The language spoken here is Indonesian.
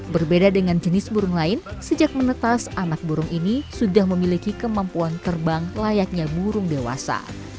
berbeda dengan jenis burung lain sejak menetas anak burung ini sudah memiliki kemampuan terbang layaknya burung dewasa